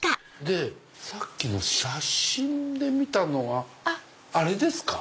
さっき写真で見たのはあれですか？